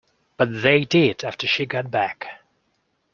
But they did after she got back.